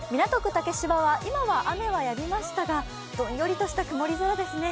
竹芝は今は雨がやみましたがどんよりとした曇り空ですね。